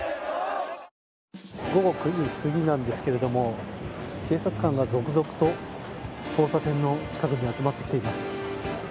午後９時過ぎなんですが警察官が続々と交差点の近くに集まってきています。